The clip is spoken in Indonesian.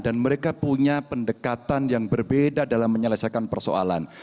dan mereka punya pendekatan yang berbeda dalam menyelesaikan persoalan